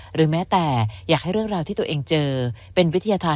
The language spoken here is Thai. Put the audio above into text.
หรือแม้แต่อยากให้เรื่องราวที่ตัวเองเจอเป็นวิทยาธาร